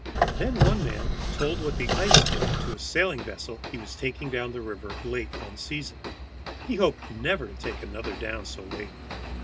Then one man told what the ice did to a sailing vessel he was taking down the river late one season. He hoped never to take another down so late.